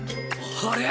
あれ？